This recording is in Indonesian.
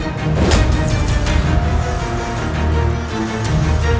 aku tidak mau keluar